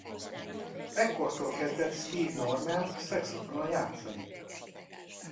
Ekkortól kezdett Steve Norman szaxofonon játszani.